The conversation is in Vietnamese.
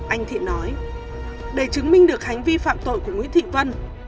anh thiện nói để chứng minh được hành vi phạm tội của nguyễn thị vân